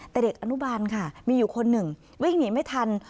แต่เด็กอนุบาลค่ะมีอยู่คนหนึ่งวิ่งหนีไม่ทัน